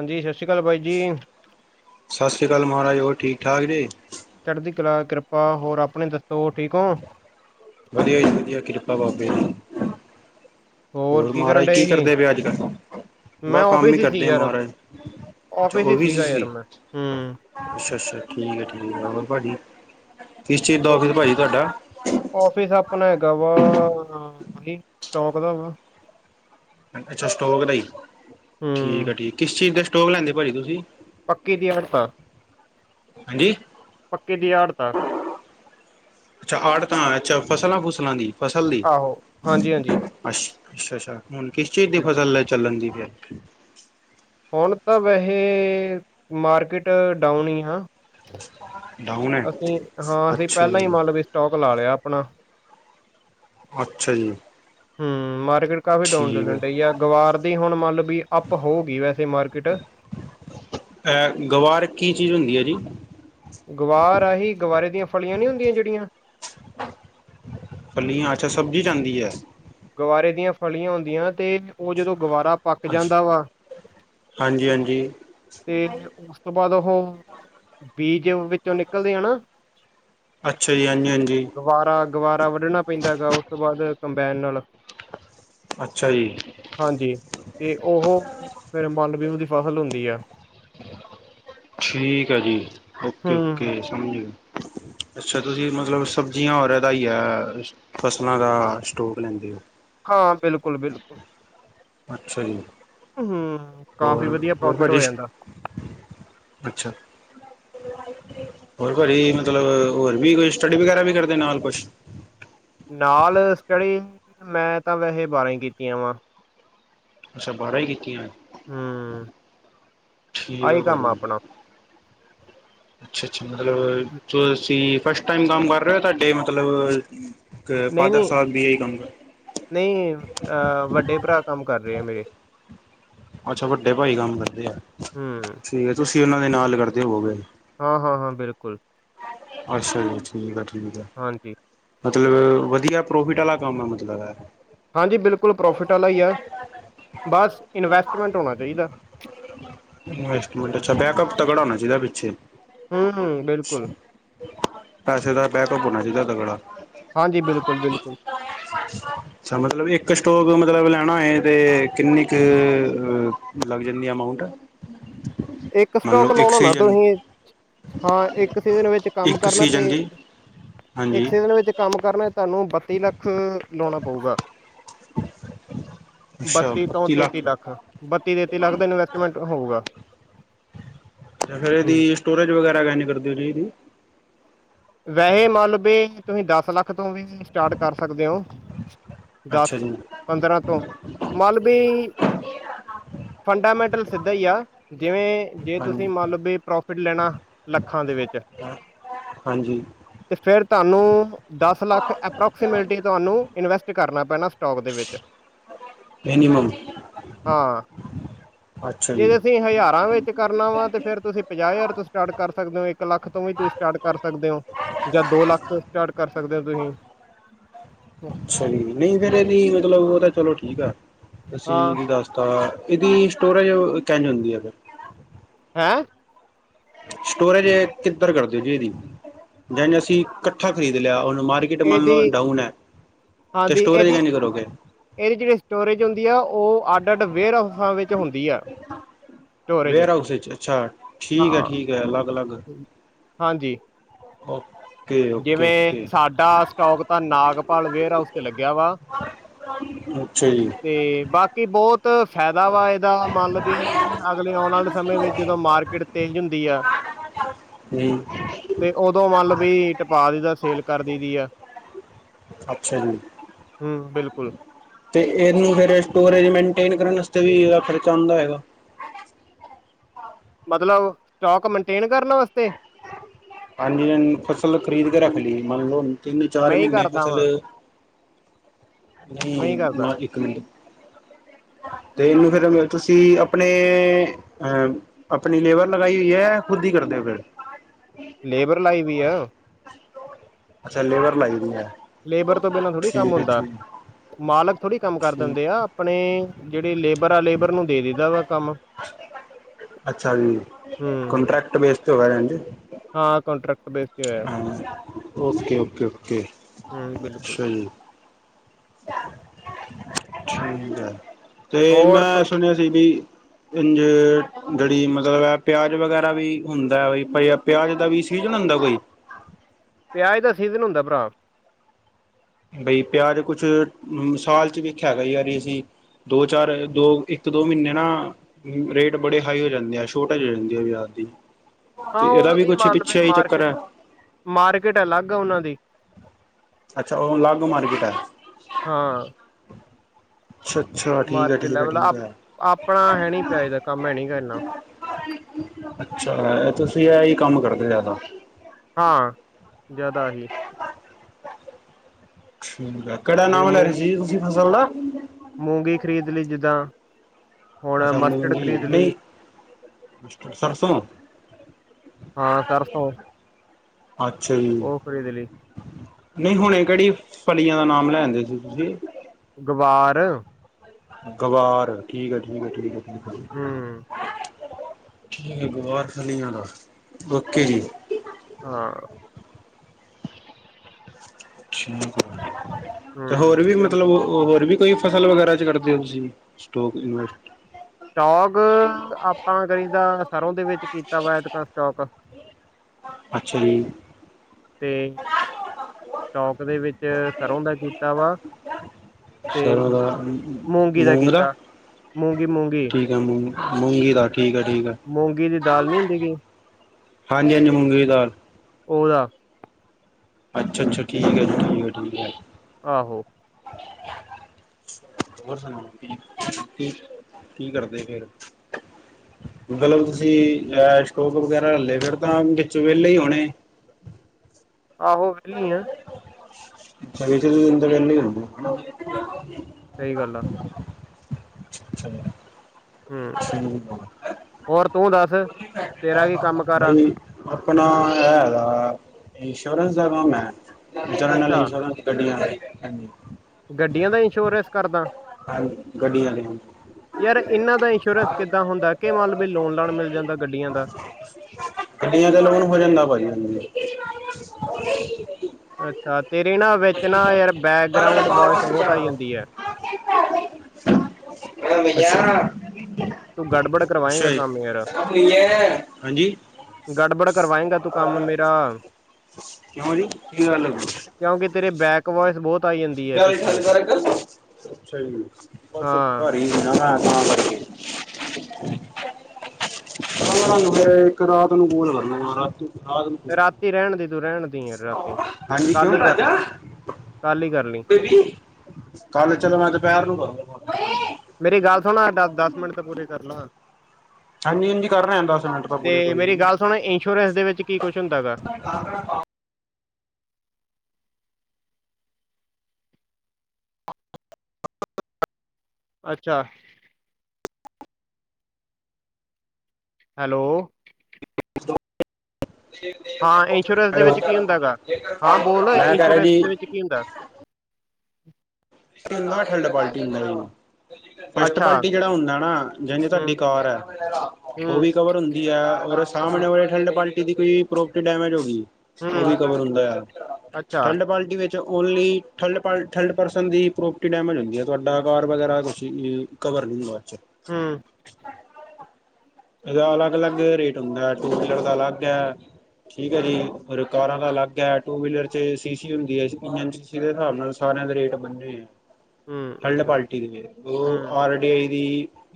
ਹਾਂਜੀ ਸਤਿ ਸ੍ਰੀ ਅਕਾਲ ਬਾਈ ਜੀ। ਸਤਿ ਸ਼੍ਰੀ ਅਕਾਲ ਮਹਾਰਾਜ ਹੋਰ ਠੀਕ ਠਾਕ ਜੇ ਚੜ੍ਹਦੀ ਕਲਾ ਕਿਰਪਾ ਹੋਰ ਆਪਣੇ ਦ ਵਧੀਆ ਜੀ ਵਧੀਆ ਕਿਰਪਾ ਬਾਬੇ ਦੀ। ਹੋਰ ਕਰਨ ਮਹਾਰਾਜ ਕੀ ਡਏ ਸੀ ਕਰਦੇ ਪਏ ਅੱਜ ਕੱਲ ਮੈਂ ਬਹ ਕੰਮ ਆਫਿਸ ਈ ਹੀ ਸੀ ਕਰਦੇ ਆ ਯਾਰ ਮਹਾਰਾਜ ਅੱਛਾ ਆਫਿਸ ਓ ਹੀ ਵੀ ਸੀ ਸੀਗਾ ਯਾਰ ਸੀ ਮੈਂ ਹੂੰ ਅੱਛਾ ਅੱਛਾ ਠੀਕ ਠੀਕ [unintelligible] ਕਿਸ ਚੀਜ਼ ਦਾ ਆਫਿਸ ਭਾਜੀ ਤੁਹਾਡਾ ਆਫਿਸ ਆਪਣਾ ਹੈਗਾ ਵਾ ਆਹੀ ਸਟੋਕ ਦਾ ਵਾ ਅੱਛਾ ਸਟੋਕ ਦਾ ਈ ਠੀਕ ਹੂੰ ਆ ਠੀਕ ਕਿਸ ਚੀਜ਼ ਦਾ ਸਟੋਕ ਲੈਂਦੇ ਭਾਜੀ ਤੁਸੀਂ? ਪੱਕੀ ਦੀ ਆੜਤ ਆ। ਹਾਂਜੀ ਪੱਕੇ ਦੀ ਆੜਤ ਆਂ। ਅੱਛਾ ਆੜਤ ਆਂ ਅੱਛਾ ਫਸਲਾਂ ਫੁਸਲਾਂ ਦੀ ਫਸਲ ਦੀ ਆਹੋ ਹਾਂਜੀ ਹਾਂਜੀ ਅ ਅੱਛਾ ਅੱਛਾ ਹੁਣ ਕਿਸ ਚੀਜ਼ ਦੀ ਬਿਲ- ਫਸਲ ਚੱਲਣ ਦੀ ਫੇਰ ਹੁਣ ਤਾਂ ਵੈਸੇ ਮਾਰਕੀਟ ਡਾਊਨ ਈ ਹਾਂ [inaudible] ਅਸੀਂ ਹਾਂ ਅਸੀਂ ਅੱਛਾ ਪੈਲਾਂ ਹੀ ਜੀ ਮਤਲਬ ਵੀ ਸਟੋਕ ਲਾ ਲਿਆ ਆਪਣਾ। ਅੱਛਾ ਜੀ। ਹਨ ਮਾਰਕੀਟ ਕਾਫੀ ਡੋਂਨ ਠੀਕ ਚੱਲਣ ਹੈ ਡਈ ਆ ਗਵਾਰ ਦੀ ਹੁਣ ਮੰਲਬ ਵੀ ਅੱਪ ਹੋਗੀ ਵੈਸੇ ਮਾਰਕਿੱਟ ਅ ਗਵਾਰ ਕੀ ਚੀਜ਼ ਹੁੰਦੀ ਆ ਜੀ ਗਵਾਰ ਆਹੀ ਗਵਾਰੇ ਦੀਆਂ ਫਲੀਆਂ ਨੀ ਹੁੰਦੀਆਂ ਜਿਹੜੀਆਂ। ਫੱਲੀਆਂ ਅੱਛਾ ਸਬਜ਼ੀ ਆਂਦੀ ਐ। ਗੁਵਰੇ ਦੀਆਂ ਫਲੀਆਂ ਹੁੰਦੀਆਂ ਤੇ ਓ ਜਦੋਂ ਗੁਵਾਰਾ ਪੱਕ ਅੱਛ ਜਾਂਦਾ ਵਾ ਹਾਂਜੀ ਹਾਂਜੀ ਤੇ ਉਸ ਤੋਂ ਬਾਅਦ ਓਹ ਬੀਜ ਵਿੱਚੋਂ ਨਿਕਲਦੇ ਆ ਨਾ ਅੱਛਾ ਜੀ ਹਾਂਜੀ ਹਾਂਜੀ ਗਵਾਰਾ ਗਵਾਰਾ ਵੱਢਣਾ ਪੈਂਦਾ ਗਾ ਉਸ ਤੋਂ ਬਾਦ ਕੰਬੈਨ ਨਾਲ ਅੱਛਾ ਜੀ ਹਾਂਜੀ ਤੇ ਉਹ ਫੇਰ ਮਨ ਲ ਵੀ ਉਦੀ ਫਸਲ ਹੁੰਦੀ ਐ ਠੀਕ ਐ ਜੀ ਓਕੇ ਹੂੰ ਓਕੇ ਸਮਝਗੇ। ਅੱਛਾ ਤੁਸੀਂ ਮਤਲਬ ਸਬਜ਼ੀਆਂ ਔਰ ਐਦਾ ਈ ਐ ਫਸਲਾਂ ਦਾ ਸਟੋਕ ਲੈਂਦੇ ਓ ਹਾਂ ਬਿਲਕੁੱਲ ਬਿਲਕੁੱਲ ਅੱਛਾ ਜੀ। ਕਾਫੀ ਹੋਰ ਵਧੀਆ ਹੋਰ ਪ੍ਰੋਫਿਟ ਹੋ ਭਾਜੀ ਜਾਂਦਾ ਅੱਛਾ ਹੋਰ ਭਾਜੀ ਮਤਲਬ ਹੋਰ ਵੀ ਕੋਈ ਸਟੱਡੀ ਵਗੈਰਾ ਵੀ ਕਰਦੇ ਨਾਲ ਕੁਛ ਨਾਲ ਸਟੱਡੀ ਮੈਂ ਤਾਂ ਵੈਸੇ ਬਾਰਾਂ ਕੀਤੀਆਂ ਵਾ ਅੱਛਾ ਬਾਹਰਾਂ ਹੀ ਕੀਤੀਆਂ ਹੂੰ ਠੀਕ ਆ ਆਹੀ ਕੰਮ ਭਾਜੀ ਆਪਣਾ ਅੱਛਾ ਅੱਛਾ ਮਤਲਬ ਜੋ ਅਸੀਂ ਫਸਟ ਟਾਈਮ ਕੰਮ ਕਰ ਰਹੇ ਹੋ ਤੁਹਾਡੇ ਮਤਲਬ ਕਿ ਨਹੀਂ ਫਾਦਰ ਸਾਹਿਬ ਵੀ ਇਹੀ ਕੰਮ ਕਰ ਅਹ ਵੱਡੇ ਭਰਾ ਕੰਮ ਕਰ ਰਹੇ ਆ ਮੇਰੇ ਅੱਛਾ ਵੱਡੇ ਭਾਈ ਕੰਮ ਕਰਦੇ ਆ ਹੂੰ, ਠੀਕ ਹੈ ਤੁਸੀਂ ਉਹਨਾਂ ਦੇ ਨਾਲ ਕਰਦੇ ਹੋਵੋਗੇ ਹਾਂ ਹਾਂ ਹਾਂ ਬਿਲਕੁਲ ਅੱਛਾ ਜੀ ਠੀਕ ਆ ਠੀ ਹਾਂਜੀ।। ਮਤਲਬ ਵਧੀਆ ਪ੍ਰੋਫਿਟ ਵਾਲਾ ਕੰਮ ਇਹ ਮਤਲਬ ਇਹ। ਹਾਂਜੀ ਬਿਲਕੁਲ ਪ੍ਰੋਫਿਟ ਵਾਲਾ‌ ਈ ਐ। ਬਸ ਇਨਵੈਸਟਮੈਂਟ ਹੋਣਾ ਚਾਹੀਦਾ। ਇਨਵੈਸਟਮੈਂਟ ਅੱਛਾ ਬੈਕਅਪ ਤਾਂ ਤਗੜਾ ਹੋਣਾ ਚਾਹੀਦਾ ਪਿੱਛੇ ਹੂੰ, ਬਿਲਕੁਲ, ਪੈਸੇ ਦਾ ਬੈਕਅਪ ਹੋਣਾ ਚਾਹੀਦਾ ਤਗੜਾ ਹਾਂਜੀ, ਬਿਲਕੁਲ, ਬਿਲਕੁਲ, ਅੱਛਾ ਮਤਲਬ ਇੱਕ ਸਟੋਕ ਮਤਲਬ ਮਲਬ ਲੈਣਾ ਹੋਏ ਅਤੇ ਕਿੰਨੀ ਕੁ ਲੱਗ ਜਾਂਦੀ ਅਮਾਊਂਂਟ ਇੱਕ ਸਟੋਕ ਲਾਉਣਾ ਨਾ ਤੁਸੀਂ ਹਾਂ ਇੱਕ ਸੀਜ਼ਨ ਵਿੱਚ ਕੰਮ ਇੱਕ ਕਰਨਾ ਤੇ ਸੀਜ਼ਨ ਦੀ ਹਾਂਜੀ ਇੱਕੇ ਦਿਨ ਵਿੱਚ ਕੰਮ ਕਰਨਾ ਤੁਹਾਨੂੰ ਬੱਤੀ ਲੱਖ ਲਾਉਣਾ ਪਊਗਾ [inaudible] ਅੱਛਾ ਬੱਤੀ ਤੋਂ ਪੱਚੀ ਤੇਤੀ ਲੱਖ ਤੇ ਬੱਤੀ ਤੇਤੀ ਲੱਖ ਦਾ ਇਨਵੈਸਟਮੈਂਟ ਹੋਊਗਾ। ਤੇ ਫੇਰ ਹੂੰ, ਇਹਦੀ ਸਟੋਰੇਜ ਵਗੈਰਾ ਕੈੰਜ ਕਰਦੀ ਹੋ ਜੀ? ਵੈਸੇ ਮੰਨ ਲੋ ਤੁਸੀਂ ਦਸ ਲੱਖ ਤੋਂ ਵੀ ਸਟਾਰਟ ਕਰ ਸਕਦੇ ਹੋ। ਦਸ ਅੱਛਾ ਜੀ ਪੰਦਰਾਂ ਤੋਂ ਮਾਲਵੀ- ਹਾਂ। ਫੰਡਾਮੈਂਟਲ ਸਿੱਧਾ ਹੀ ਆ ਜਿਵੇਂ ਜੇ ਤੁਸੀਂ ਹਾਂਜੀ ਮੰਨ ਲਓ ਵੀ ਪ੍ਰੋਫਿਟ ਲੈਣਾ ਲੱਖਾਂ ਦੇ ਵਿੱਚ [unintelligible] ਤੇ ਫਿਰ ਤੁਹਾਨੂੰ ਦਸ ਲੱਖ ਅਪਰੋਕਸੀਮੇਟਲੀ ਤੁਹਾਨੂੰ ਇਨਵੈਸਟ ਕਰਨਾ ਪੈਣਾ ਸਟੋਕ ਦੇ ਵਿੱਚ ਹਾਂ [unintelligible] ਜੇ ਜੀ ਤੁਸੀਂ ਹਜ਼ਾਰਾਂ ਵਿੱਚ ਕਰਨਾ ਵਾ ਤੇ ਫੇਰ ਤੁਸੀਂ ਪੰਜਾਹ ਹਜ਼ਾਰ- ਸਟਾਰਟ ਕਰ ਸਕਦੇ ਹੋ ਇੱਕ ਲੱਖ ਤੋਂ ਵੀ ਤੁਸੀਂ ਸਟਾਰਟ ਕਰ ਸਕਦੇ ਹੋ ਜਾਂ ਦੋ ਲੱਖ ਤੋਂ ਸਟਾਰਟ ਕਰ ਸਕ- ਸਕਦੇ ਹੋ ਤੁਸੀਂ ਅੱਛਾ ਜੀ ਨਹੀਂ ਫੇਰ ਇਹਦੀ ਮਤਲਬ ਉਹ ਤਾਂ ਚਲੋ ਠੀਕ ਆ ਅਸੀਂ ਹਾਂ ਇਹਦੀ ਦੱਸਤਾ ਇਹਦੀ ਸਟੋਰੇਜ ਕੈੰਜ ਹੁੰਦੀ ਹੈ ਫੇਰ ਹੈਂ- ਸਟੋਰੇਜ ਕਿੱਧਰ ਕਰਦੇ ਜੇ ਇਹਦੀ ਜਾਂ ਅਸੀਂ ਇਕੱਠਾ ਖ਼ਰੀਦ ਲਿਆ ਉਹ- ਮਾਰਕੀਟ ਮੰਨ ਇਹਦੀ ਲੋ ਡਾਊਨ ਹੈ, ਤੇ ਹਾਂਜੀ ਸਟੋਰੇਜ ਇਹਦੀ ਕਿੰਝ ਕਰੋਗੇ ਇਹਦੀ ਜਿਹੜੀ ਸਟੋਰੇਜ ਹੁੰਦੀ ਆ ਉਹ ਉਹ ਅੱਡ ਅੱਡ ਵੇਅਰ ਹਾਉਸਾ ਵਿੱਚ ਹੁੰਦੀ ਹੈ। ਵੇਅਰ ਹਊਸ ਅੱਛਾ ਠੀਕ ਹੈ ਠੀਕ ਹੈ ਅਲੱਗ-ਅਲੱਗ ਹਾਂਜੀ। ਉਹ ਜਿਵੇਂ ਸਾਡਾ ਸਟੋਕ ਤਾਂ ਨਾਗਪਾਲ ਵੇਅਰ ਹਾਊਸ ਤੇ ਲੱਗਿਆ ਵਾ- ਅੱਛਾ ਜੀ ਹੂੰ ਤੇ ਬਾਕੀ ਬਹੁਤ ਫਾਇਦਾ ਵਾ ਇਹਦਾ ਮਨਲਬ ਵੀ ਅਗਲੇ ਆਉਣ ਵਾਲੇ ਸਮੇਂ ਵਿੱਚ ਜਦੋਂ ਮਾਰਕੀਟ ਤੇਜ ਹੁੰਦੀ ਆ [unintelligible] ਤੇ ਉਦੋਂ ਮਲ ਵੀ ਟਪਾ ਦੀਦਾ ਸੇਲ ਕਰਦੀ ਦੀ ਆ। ਅੱਛਾ ਜੀ। ਹੂੰ ਬਿਲਕੁਲ ਤੇ ਇਹਨੂੰ ਫੇਰ ਸਟੋਰੇਜ ਮੇਨਟੇਨ ਕਰਨ ਉਥੇ ਵੀ ਖ਼ਰਚਾ ਆਦਾ ਹੋੲਗਾ। ਮਤਲਬ ਸਟਾਕ ਮੇਨਟੇਨ ਕਰਨ ਵਾਸਤੇ। ਪੰਜ ਦਿਨ ਫਸਲ ਖ਼ਰੀਦ ਕੇ ਰੱਖ ਲਈ ਮੰਨ ਲਓ ਤਿੰਨ ਚਾਰ ਮੈਂ ਹੀ ਮਹੀਨੇ ਕਰਦਾ ਫਸਲ ਵਾਂ ਮੈਂ ਹੀ ਹਮ ਕਰਦਾ ਮ ਇੱਕ ਮਿੰਟ। ਤੇ ਇਹਨੂੰ ਫੇਿਰ ਤੁਸੀਂ ਆਪਣੇ ਅਹ ਆਪਣੀ ਲੇਬਰ ਲਗਾਈ ਹੋਈ ਹੈ ਖੁਦ- ਕੀ ਕਰਦੇ ਹੋ ਫੇਰ। ਲੇਬਰ ਲਾਈ ਵੀ ਆ। ਅੱਛਾ ਲੇਬਰ ਲਾਈ ਦੀ ਹੈ। ਲੇਬਰ ਤੋਂ ਬਿਨਾਂ ਥੋੜ੍ਹੀ ਕੰਮ ਠੀਕ ਹੈ ਹੁੰਦਾ। ਠੀਕ ਮਾਲਕ ਥੋੜੀ ਕੰਮ ਕਰ ਦਿੰਦੇ ਠੀਕ ਆ ਆਪਣੇ ਜਿਹੜੇ ਲੇਬਰ ਆ ਲੇਬਰ ਨੂੰ ਦੇ ਦਿੰਦਾ ਵਾ। ਕੰਮ ਅੱਛਾ ਜੀ ਹੂੰ ਕਾਨਟੈਕਟ ਬੇਸ ਹੋਗਾ। ਹਾਂ ਕਾਨਟੈਕਟ ਹਾਂ ਓਕੇ ਓਕੇ ਓਕੇ ਹੂੰ ਬਿਲਕੁਲ ਸਹੀ। ਠੀਕ ਹੈ ਤੇ ਹੋਰ ਮੈਂ ਸੁਣਿਆ ਸੀ ਵੀ ਇਝ ਹੂੰ, ਗੜੀ ਮਲ। ਮਤਲਬ ਪਿਆਜ ਵਗੈਰਾ ਵੀ ਹੁੰਦਾ ਪਿਆਜ ਦਾ ਵੀ ਸੀਜਨ ਹੁੰਦਾ ਕੋਈ। ਪਿਆਜ ਦਾ ਸੀਜਨ ਹੁੰਦਾ ਭਰਾ। ਬਈ ਪਿਆਜ ਕੁਛ ਸਾਲ ਚ ਵੇਖਿਆ ਹੈਗਾ ਯਾਰ ਅਸੀਂ ਦੋ ਚਾਰ ਦੋ ਇੱਕ ਦੋ ਮਹੀਨੇ ਨਾ ਰੇਟ ਬੜੇ ਹਾਈ ਹੋ ਜਾਂਦੇ ਆ ਛੋਟ ਹੋ ਜਾਂਦੇ ਆ । [unintelligible] ਹਾਂ ਉਹਦੀ ਮੰਨ ਲ ਮਾਰਕੀਟ-ਮਾਰਕੀਟ ਅਲੱਗ ਆ ਉਹਨਾਂ ਦੀ। ਅੱਛਾ ਉਹ ਲਾਗੋ ਮਾਰਕੀਟ ਹੈ। ਹਾਂ ਅੱਛਾ-ਅੱਛਾ, ਮਾਰਕੀਟ ਲੈਵਲ ਆ ਠੀਕ-ਠੀਕ-ਠੀਕ ਹੈ। ਆਪਣਾ ਹੈ ਨੀ ਪਿਆਜ ਦਾ ਕੰਮ ਹੈ ਨੀ ਗਾ ਇੰਨਾ, ਅੱਛਾ ਤੁਸੀਂ ਇਹ ਹੀ ਕੰਮ ਕਰਦੇ ਜ਼ਿਆਦਾ। ਹਾਂ ਜ਼ਿਆਦਾ ਹੀ ਠੀਕ ਆ ਕਿਹੜਾ ਜਿਵੇਂ ਨਾਮ ਲੈ ਮੂੰ ਰ ਸੀ ਤੁਸੀਂ ਫਸਲ ਦਾ ਮੂੰਗੀ ਖ਼ਰੀਦ ਲਈ ਜਿੱਦਾਂ ਹੁਣ ਅੱਛਾ ਮਸਟਰਡ ਮੂੰਗੀ ਖਰੀਦ ਨਹੀਂ ਲਈ, ਸਰਸੋਂ। ਹਾਂ ਸਰਸੌ। ਅੱਛਾ ਜੀ, ਨਹੀਂ ਹੁਣੇ ਕਿਹੜੀ ੜੀਆਂ ਦਾ ਨਾਮ ਲੈਦੇ ਸੀ ਤੁਸੀਂ। ਗਵਾਰ ਗਵਾਰ ਠੀਕ ਹੈ ਠੀਕ ਠੀਕ। ਹੂੰ, ਬਾਰ ਖੁਲੀ ਜਾਣਾ ਓਕੇ ਜੀ, ਹਾਂ ਠੀਕ ਤੇ ਹੂੰ, ਹੋਰ ਵੀ ਮਤਲਬ ਬਿਲਕੁਲ ਹੋਰ ਵੀ ਕੋਈ ਫਸਲ ਵਗੈਰਾ ਚ ਕਢਦੇ ਹੋ ਤੁਸੀਂ ਸਟੋਕ ਇ ਸਟੋਕ ਆਪਾਂ ਕਰੀਦਾ ਸਰ੍ਹੋਂ ਦੇ ਵਿੱਚ ਕੀਤਾ ਵਾ ਇਕ ਤਾਂ ਸਟੋਕ ਅੱਛਾ ਜੀ ਤੇ ਸਟੋਕ ਦੇ ਵਿੱਚ ਸਰ੍ਹੋਂ ਦਾ ਕੀਤਾ ਵਾ ਤੇ ਸਰੋਂ ਦਾ ਮੂੰਗੀ ਦਾ ਕੀਤਾ ਮੂੰਗੀ-ਮੂੰਗੀ। ਮੁੂੰਗੀ ਦਾਟ। ਮੂੰਗੀ ਦੀ ਦਾਲ ਨਹੀਂ ਹੁੰਦੀ ਗੀ। ਹਾਂਜੀ-ਹਾਂਜੀ ਮੂੰਗੀ ਦੀ ਦਾਲ। ਹੋਦਾ ਅੱਛਾ-ਅੱਛਾ ਠੀਕ ਐ ਠੀਕ ਐ, ਆਹੋ [unintelligible] ਹੋਰ ਸੁਣੋ ਕੀ-ਕੀ-ਕੀ ਕਰਦੇ ਫੇਰ? ਮਤਲਬ ਤੁਸੀਂ ਅਹ ਸਟੋਕ ਵਗੈਰਾ ਹੱਲੇ ਫਿਰ ਤਾਂ ਵਿੱਚੋ ਵਿਹਲੇ ਹੀ ਹੋਣੇ ਆਹੋ ਵਿਹਲੀ ਆ ਪਨੇ ਹੁੰਦੇ ਸਹੀ ਗੱਲ ਆ, ਅੱਛਾ ਹੂੰ ਹੁੰ ਹੋਰ ਤੂੰ ਦੱਸ ਤੇਰਾ ਕੀ ਕੰਮ ਕਾਰ ਆ ਬਾਈ ਆਪਣਾ ਹੈਗਾ। ਇੰਸ਼ੋਰੈਂਸ ਦਾ ਕੰਮ ਹੈ ਜਨਰਲ ਅੱਛਾ ਇੰਸ਼ੋਰੈਂਸ ਗੱਡੀਆਂ ਗੱਡੀਆਂ ਦਾ ਇੰਸ਼ੋਰੈਂਸ ਕਰਦਾ ਹ ਗੱਡੀ ਵਾਲੇ ਯਾਰ ਇਹਨਾਂ ਦਾ ਇੰਸ਼ੋਰੈਂਸ ਕਿੱਦਾਂ ਹੁੰਦਾ ਕਿ ਮੰਨ ਲੋ ਲਾਣ ਮਿਲ ਜਾਂਦਾ ਗੱਡੀਆਂ ਦਾ, ਗੱਡੀਆਂ ਦਾ ਲੋਨ ਹੋ ਜਾਂਦਾ ਭਾਜੀ ਅੱਛਾ ਤੇਰੇ ਨਾ ਵਿੱਚ ਨਾ ਯਾਰ ਬੈਕਗਰਾਉਂਡ ਵੋਇਸ ਬਹੁਤ ਆਈ ਜਾਂਦੀ ਐ [unintelligible] ਭਈਆ ਤੂੰ ਗੜਬੜ ਅੱਛਾ ਕਰਵਾਏਂਗਾ ਕੰਮ ਯਾਰ ਜੀ ਹਾਂਜੀ ਗੜਬੜ ਕਰਵਾਏਂਗਾ ਤੂੰ ਕੰਮ ਮੇਰਾ ਕਿਉਂ ਜੀ ਕੀ ਗੱਲ [unintelligible] ਕਿਉਂਕਿ ਤੇਰੇ ਬੈਕ ਵੋਇਸ ਬਹੁਤ ਆਈ ਜਾਂਦੀ ਹੈ ਪਿੱਛੇ ਹਾਂ [inaudible] ਹੋਇ ਇੱਕ ਰਾਤ ਨੂੰ ਬੋਲ ਕਰਨਾ ਰਾਤ ਰਾਤ ਨੂੰ ਕੋਲ ਰਾਤੀ ਰਹਿਣ ਦੀ ਤੂੰ ਰਹਿਣ ਦੀ ਯਾਰ ਰਾਤੀ ਹਾਂਜੀ ਕੱਲ ਕਿਵੇਂ ਹੀ ਕਰ ਲਈ ਰਾਜਾ ਕੱਲ ਹੀ ਕਰ ਲਈ ਬੇਬੀ ਕੱਲ ਚੱਲਣਾ ਦੁਪਹਿਰ ਨੂੰ [unintelligible] ਮੇਰੀ ਗੱਲ ਸੁਣ ਦ ਦਸ ਮਿੰਟ ਤੇ ਪੂਰੀ ਕਰ ਲਾਂ ਹਾਂਜੀ ਹਾਂਜੀ ਕਰ ਰਹੇ ਹਾਂ ਦਸ ਮਿੰਟ ਤਾਂ ਤੇ ਪੂਰੇ ਕੋਈ ਮੇਰੀ ਨਹੀਂ ਗੱਲ ਸੁਣ ਇੰਸ਼ੋਰੈਂਸ ਦੇ ਵਿੱਚ ਕੀ ਕੁਝ ਹੁੰਦਾ ਗਾ [inaudible] ਅੱਛਾ ਹੈਲੋ ਹਾਂ ਇੰਸ਼ੋਰੈਂਸ ਦੇ ਹੈਲੋ ਵਿੱਚ ਕੀ ਹੁੰਦਾ ਗਾ ਹਾਂ ਬੋਲ ਮੈਂ ਕਹਿ ਰਿਹਾ ਇੰਸ਼ੋਰੈਂਸ ਜੀ ਦੇ [inaudible] ਵਿੱਚ ਕੀ ਹੁੰਦਾ ਤੇ [unintelligible] ਪਾਰਟੀ ਫਸਟ ਅੱਛਾ ਕੁਆਲਿਟੀ ਜਿਹੜਾ ਹੁੰਦਾ ਨਾ, ਜਿਨੇ ਤੁਹਾਡੀ ਹੂੰ ਕਾਰ ਹੈ, ਉਹ ਹੂੰ ਵੀ ਕਵਰ ਹੁੰਦੀ ਹੈ ਔਰ ਸ ਹੂੰ [unintelligible] ਠੰਡ ਪਾਣੀ ਕੋਈ ਪ੍ਰੋਪਰਟੀ ਡੈਮੇਜ ਹੋ ਗਈ, ਉਹ ਹੂੰ ਵੀ ਕਵਰ ਹੁੰਦਾ ਆ ਅੱਛਾ ਠੰਡ ਪਾਲਟੀ ਵਿੱਚ ਓਨਲੀ ਥਲਡ [unintelligible] [unintelligible] ਦੀ ਪ੍ਰੋਪਰਟੀ ਡੈਮੇਜ ਹੁੰਦੀ ਹੈ, ਤੁਹਾਡਾ ਕਾਰ ਵਗੈਰਾ ਕੁਛ ਕਵਰ ਨਹੀਂ ਹੁੰਦਾ ਅੱਜ ਹਮ ਇਹਦਾ ਅਲੱਗ ਅਲੱਗ ਰੇਟ ਹੁੰਦਾ ਹੈ ਟੂ ਵੀਲਰ ਦਾ ਅਲੱਗ ਹੈ, ਠੀਕ ਹੈ ਜੀ ਰੁਕਾਰਾਂ ਹੂੰ ਦਾ ਲੱਗ ਹੈ ਟੂ ਵੀਲਰ ਚ ਸੀ ਸੀ ਹੁੰਦੀ ਐ, [unintelligible] ਇੰਜਨ ਸੀ ਸੀ ਦੇ ਹਿਸਾਬ ਨਾਲ ਸਾਰਿਆਂ ਦੇ ਰੇਟ ਬੰਨੇ ਹੋਏ ਐ। ਹੂੰ ਥਰਡ ਅੱਛਾ ਪਾਰਟੀਵੀ ਐ ਉਹ ਹੂੰ ਆਰ ਡੀ ਆਈ ਦੀ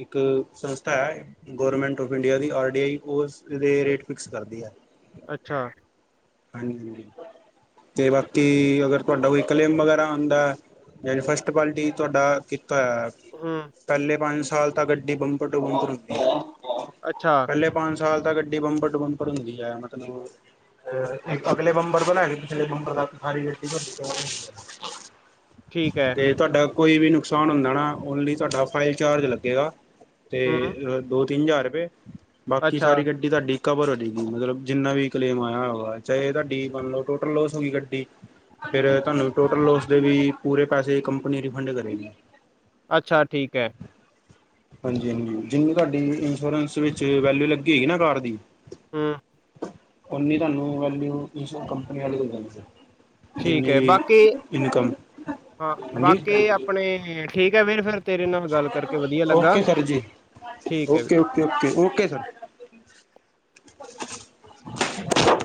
ਇੱਕ ਹੂੰ, ਸੰਸ ਤਾ ਏਹ ਗਵੌਰਮੈਂਟ ਔਫ ਇੰਡੀਆ ਦੀ ਆਰ ਡੀ ਆਈ ਉਸ ਦੇ ਰੇਟ ਫਿਕਸ ਕਰਦੀ ਐ। ਅੱਛਾ ਹਾਂਜੀ, ਤੇ ਬਾਕੀ ਅਗਰ ਤੁਹਾਡਾ ਕੋਈ ਕਲੇਮ ਵਗੈਰਾ ਆਉਂਦਾ ਯ ਫਸਟ ਕੁਆਲਿਟੀ ਤੁਹਾਡਾ ਤਾ ਹੂੰ ਪਹਿਲੇ ਪੰਜ ਸਾਲ ਤਾਂ ਗੱਡੀ ਬੰਪਰ ਟੂ ਬੰਪਰ ਹੁੰਦੀ ਹੈ ਅੱਛਾ ਪਹਿਲੇ ਪੰਜ ਸਾਲ ਤਾਂ ਗੱਡੀ ਬੰਪਰ ਟੂ ਬੰਪਰ ਹੁੰਦੀ ਹੈ ਮਤਲਬ ਅਗਲੇ ਬੰਬਰ ਬਣਾ [unintelligible] ਪਿਛਲੇ ਬੰਬਰ ਦਾ ਸਾਰੀ ਗੱਡੀ ਠੀਕ ਹੈ ਤੇ ਤੁਹਾਡਾ ਕੋਈ ਵੀ ਨੁਕਸਾਨ ਹੁੰਦਾ ਨਾ, ਓਨਲੀ ਤੁਹਾਡਾ ਫਾਈਲ ਚਾਰਜ ਲੱਗੇਗਾ ਹੂੰ ਤੇ, ਦੋ ਤਿੰਨ ਹਜ਼ਾਰ ਰੁਪਏ ਬਾਕੀ ਅੱਛਾ ਸਾਰੀ ਗੱਡੀ ਤੁਹਾਡੀ ਕਵਰ ਹੋ ਜੈਗੀ, ਮਤਲਬ ਜਿੰਨਾ ਵੀ ਕਲੇਮ ਆਇਆ ਹੋ ਚਾਹੇ ਏਹਦਾ, ਡੀ [unintelligible] ਟੋਟਲ ਲੋਸ ਹੋ ਗਈ ਗੱਡੀ ਫਿਰ ਤੁਹਾਨੂੰ ਟੋਟਲ ਲੋਸ ਦੇ ਵੀ ਪੂਰੇ ਪੈਸੇ ਕੰਪਨੀ ਰਿਫੰਡ ਕਰੇਗੀ ਅੱਛਾ ਠੀਕ ਹੈ ਹਾਂਜੀ ਹਾਂਜੀ, ਜਿੰਨੀ ਤੁਹਾਡੀ ਇੰਸ਼ੋਰੈਂਸ ਵਿੱਚ ਵੈਲਊ ਲੱਗੀ ਹਉਗੀ ਨਾ ਕਾਰ ਦੀ ਹਮ ਉਨੀ ਤੁਹਾਨੂੰ ਵੇਲੁਆਉ ਇਨਸ਼ੋਰੈਂਸ ਕੰਪਨੀ ਵਾਲੀ ਦੇ ਦੇਣਗੇ ਠੀਕ ਜਿੰਨੀ ਹੈ, ਵੀ ਬਾਕੀ, ਇਨਕਮ ਹਾਂ, ਹਾਂਜੀ ਬਾਕੀ ਆਪਣੇ ਠੀਕ ਹੈ ਵੀਰ ਫਿਰ ਤੇਰੇ ਨਾਲ ਗੱਲ ਕਰਕੇ ਵਧੀਆ ਲੱਗਾ ਓਕੇ ਸਰ ਜੀ। ਠੀਕ ਹੈ ਵੀਰ okay okay okay, okay sir [unintelligible]